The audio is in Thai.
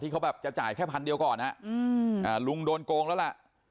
เขาแบบจะจ่ายแค่พันเดียวก่อนลุงโดนโกงแล้วล่ะ